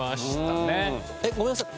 えっごめんなさい。